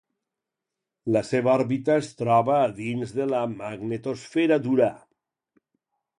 La seva òrbita es troba a dins de la magnetosfera d'Urà.